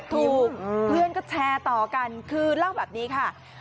ถูกเพื่อนก็แชร์ต่อกันคือเล่าแบบนี้ค่ะ